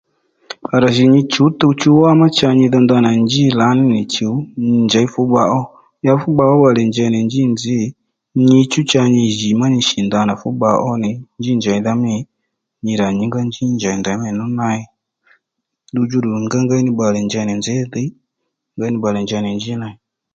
À rà jì nyi chǔw tuw chú wá ma cha nyi dho ndanà njí lǎní nì chùw nyi njěy fú bba ó ya fú bba ó bbalè njey nì njí nzǐ nyi chú cha nyi jì má nyi shì ndanà fú bba ó nì njí njèydha mî nyi rà nyǐngá njí njèy nděymí nú ney ddudjú ddù ngéyngey ní bbalè njey nì nzǐ dhǐy ngéy ní bbalè njey nì njí ney